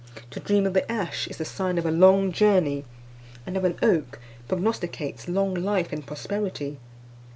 To dream of the ash, is the sign of a long journey; and of an oak, prognosticates long life and prosperity.